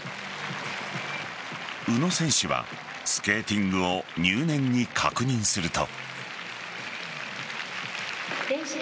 宇野選手はスケーティングを入念に確認すると。